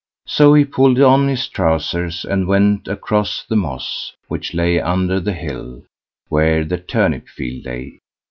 So he pulled on his trousers and went across the moss which lay under the hill, where the turnip field lay.